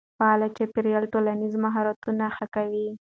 فعال چاپېريال ټولنیز مهارتونه ښه کوي.